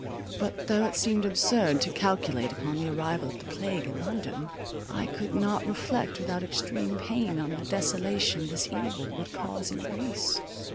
But, though it seemed absurd to calculate upon the arrival of the plague in London, I could not reflect without extreme pain on the desolation this evil would cause in Greece.